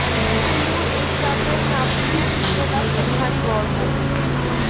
কুমুর এসরাজের হাত নিয়ে বিপ্রদাসের ভারি গর্ব।